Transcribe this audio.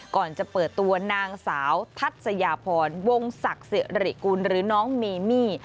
ก่อนจะเปิดตัวนางสาวทัศยาพรวงศักดิ์สิริกุลหรือน้องเมมี่